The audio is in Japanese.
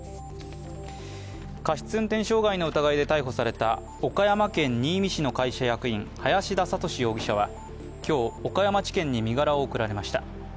過失運転傷害の疑いで逮捕された岡山県新見市の会社役員、林田覚容疑者は今日、岡山地検に身柄を送られました。